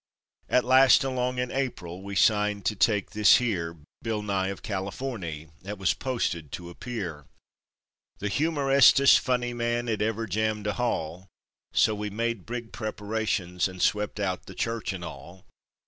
At last along in Aprile we signed to take this here Bill Nye of Californy, 'at was posted to appear "The Humorestest Funny Man 'at Ever Jammed a Hall!" So we made big preparations, and swep' out the church and all!